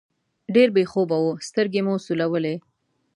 ډېر بې خوبه وو، سترګې مو سولولې.